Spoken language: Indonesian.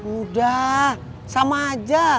udah sama aja